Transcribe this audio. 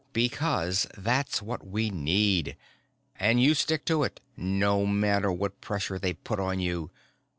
"Because that's what we need. And you stick to it, no matter what pressure they put on you.